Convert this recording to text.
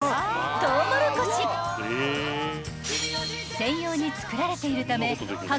［専用に造られているため］